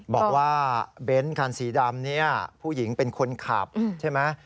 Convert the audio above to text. บอกว่าเบนท์คันสีดำนี้ผู้หญิงเป็นคนขับใช่ไหม